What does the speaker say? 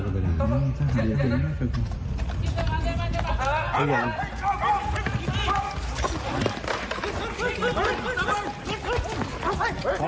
เนี่ยป้าล่ะพอ